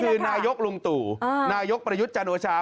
คือนายกลุงตู่นายกประยุทธ์จันโอชา